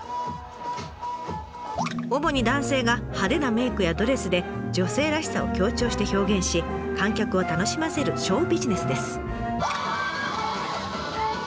主に男性が派手なメイクやドレスで女性らしさを強調して表現し観客を楽しませるショービジネスです。